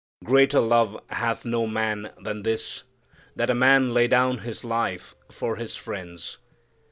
"Greater love hath no man than this, that a man lay down his life for his friends."